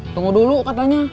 tunggu dulu katanya